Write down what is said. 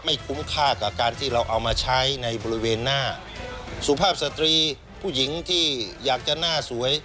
คุ้มค่ากับการที่เราเอามาใช้ในบริเวณหน้าสุภาพสตรีผู้หญิงที่อยากจะหน้าสวย